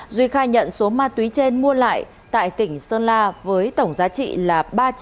duy khai nhận số ma túy trên mua lại tại tỉnh sơn la với tổng giá trị là